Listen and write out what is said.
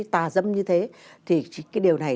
tà dâm như thế thì cái điều này